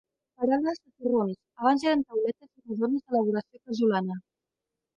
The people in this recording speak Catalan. Parades de torrons, abans eren "tauletes" rodones d'elaboració casolana.